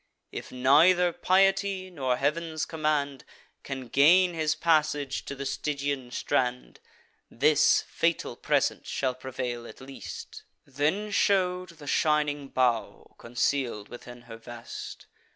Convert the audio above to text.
If neither piety, nor Heav'n's command, Can gain his passage to the Stygian strand, This fatal present shall prevail at least." Then shew'd the shining bough, conceal'd within her vest.